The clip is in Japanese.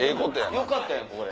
よかったやんこれ。